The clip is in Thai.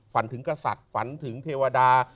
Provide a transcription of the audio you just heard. ฝันถึงกษัตริย์ฝันถึงเทวดา